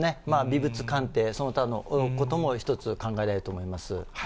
びぶつ鑑定、その他のことも一つ考えられると思います。